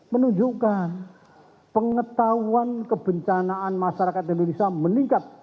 menunjukkan pengetahuan kebencanaan masyarakat indonesia meningkat